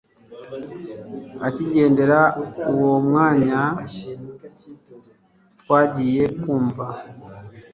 akigendera uwo mwanya twagiye kumva